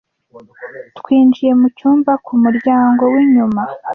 Twinjiye mucyumba ku muryango winyuma.